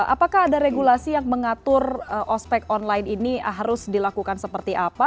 apakah ada regulasi yang mengatur ospek online ini harus dilakukan seperti apa